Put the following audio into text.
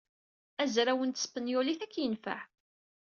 Azraw n tespenyulit ad k-yenfeɛ.